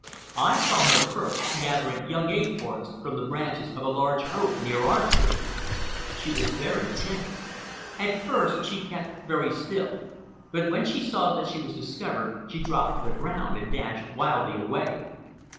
I saw her first, gathering young acorns from the branches of a large oak near our tree. She was very timid. At first, she kept very still; but when she saw that she was discovered she dropped to the ground and dashed wildly away.